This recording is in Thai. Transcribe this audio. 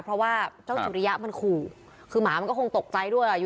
เพราะว่าเจ้าสุริยะมันขู่คือหมามันก็คงตกใจด้วยอ่ะอยู่